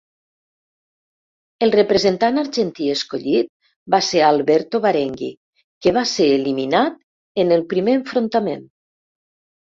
El representant argentí escollit va ser Alberto Barenghi, que va ser eliminat en el primer enfrontament.